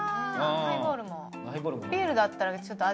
ハイボールも。